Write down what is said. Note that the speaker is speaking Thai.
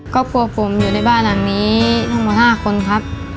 ครอบครัวผมอยู่ในบ้านหลังนี้ทั้งหมด๕คนครับ